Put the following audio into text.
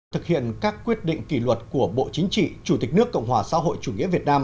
thực hiện các quyết định kỷ luật của bộ chính trị chủ tịch nước cộng hòa xã hội chủ nghĩa việt nam